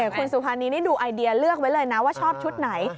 คุณสุภานีนี่ดูไอเดียเลือกไว้เลยนะว่าชอบชุดไหน